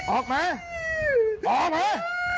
ออกมาออกมา